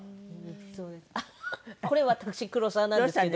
あっこれ私黒沢なんですけど。